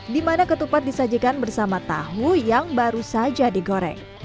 di mana ketupat disajikan bersama tahu yang baru saja digoreng